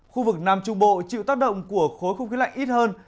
khu vực nam trung bộ chịu tác động của khối không khí lạnh ít hơn